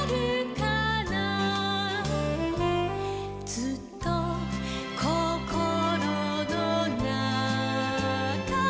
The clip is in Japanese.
「ずっとこころのなか」